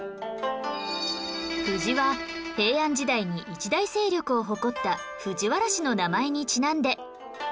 藤は平安時代に一大勢力を誇った藤原氏の名前にちなんで